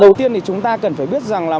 đầu tiên thì chúng ta cần phải biết rằng là